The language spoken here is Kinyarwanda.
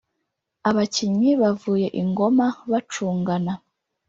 abakinnyi bavuye i Ngoma bacungana